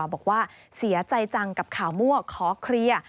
บอกว่าเสียใจจังกับข่าวมั่วขอเคลียร์